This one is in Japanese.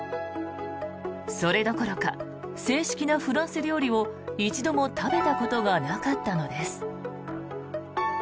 それどころか正式なフランス料理を一度も食べたことがなかったのです。